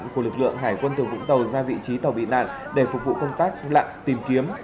của lực lượng hải quân từ vũng tàu ra vị trí tàu bị nạn để phục vụ công tác lặn tìm kiếm